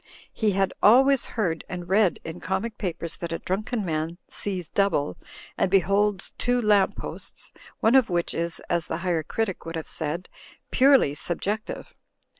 He had always heard, and read in comic papers, that a drunken man "sees double" and beholds two lamp posts, one of which is (as the Higher Critic would have said) purely subjective.